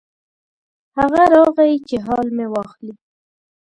هغه راغی چې حال مې واخلي.